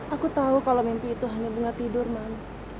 aku tahu kalau mimpi itu hanya bunga tidur man